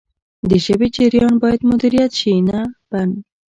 د ژبې جریان باید مدیریت شي نه بند.